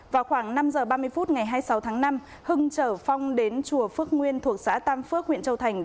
vào khoảng năm h ba mươi phút ngày hai mươi sáu tháng năm hưng chở phong đến chùa phước nguyên thuộc xã tam phước huyện châu thành